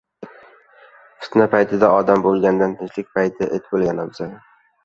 • Fitna paytida odam bo‘lgandan tinchlik payti it bo‘lgan afzal.